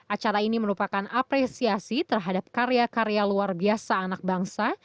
acara ini merupakan apresiasi terhadap karya karya luar biasa anak bangsa